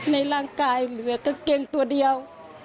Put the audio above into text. ในร่างกายเหมือนเหมือนกางเกงตัวเดียว